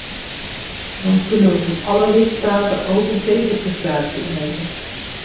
Dan kunnen we van alle lidstaten ook een tegenprestatie eisen.